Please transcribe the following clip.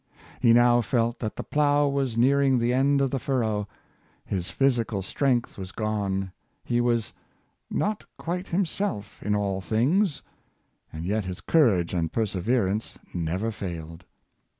He now felt that the plough was nearing the end of the furrow; his physical strength was gone; he was " not quite himself in all things," and yet his courage and perseverence never failed.